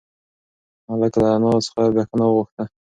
هلک له انا څخه بښنه وغوښته.